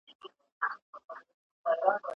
¬ چي ټوله دنيا اوبه ونيسي، د هېلۍ تر بجلکو پوري دي.